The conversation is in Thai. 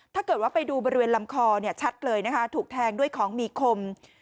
ถ้าเกิดว่าไปดูบริเวณลำคอชัดเลยนะคะถูกแทงด้วยของมีคม